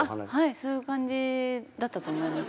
そういう感じだったと思います。